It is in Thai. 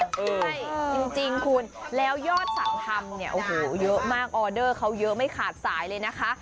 ใช่จริงคุณแล้วยอดสั่งทำเนี่ยโอ้โหเยอะมากออเดอร์เขาเยอะไม่ขาดสายเลยนะคะ